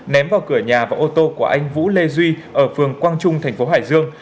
ném vào cửa nhà và ô tô của anh vũ lê duy ở phường quang trung thành phố hải dương